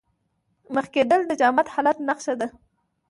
مېخ کېدل د جامد حالت نخښه ده.